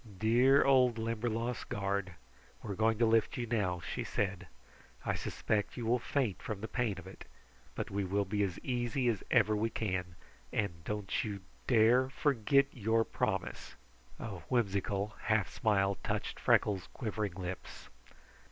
"Dear old Limberlost guard, we're going to lift you now," she said. "I suspect you will faint from the pain of it, but we will be as easy as ever we can, and don't you dare forget your promise!" A whimsical half smile touched Freckles' quivering lips.